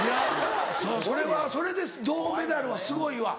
それはそれで銅メダルはすごいわ。